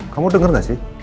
kamu denger gak sih